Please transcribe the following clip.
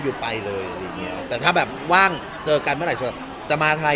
อยู่ไปเลยอย่างเงี้ยแต่ถ้าแบบว่างเจอกันเมื่อไหร่ก็จะมาทัย